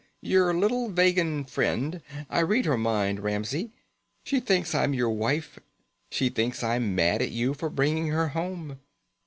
"Your little Vegan friend. I read her mind, Ramsey. She thinks I'm your wife. She thinks I'm mad at you for bringing her home."